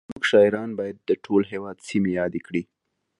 زموږ شاعران باید د ټول هېواد سیمې یادې کړي